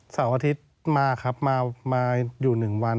เสาร์อาทิตย์มาครับมาอยู่๑วัน